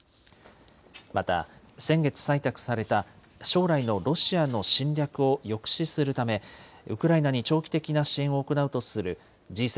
また先月採択された将来のロシアの侵略を抑止するため、ウクライナに長期的な支援を行うとするＧ７